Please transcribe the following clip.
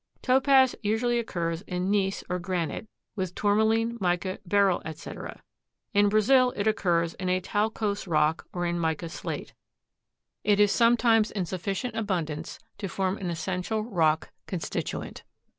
Topaz usually occurs in gneiss or granite, with tourmaline, mica, beryl, etc. In Brazil it occurs in a talcose rock or in mica slate. It is sometimes in sufficient abundance to form an essential rock constituent.